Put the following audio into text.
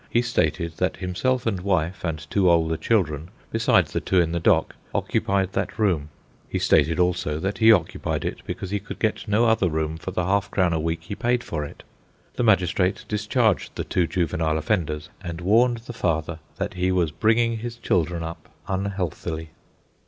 He stated that himself and wife and two older children, besides the two in the dock, occupied that room; he stated also that he occupied it because he could get no other room for the half crown a week he paid for it. The magistrate discharged the two juvenile offenders and warned the father that he was bringing his children up unhealthily.